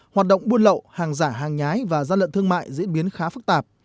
hoạt động buôn lậu hàng giả hàng nhái và gian lận thương mại diễn biến khá phức tạp